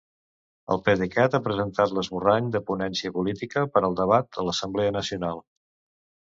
El PDeCAT ha presentat l'esborrany de ponència política per al debat a l'assemblea nacional.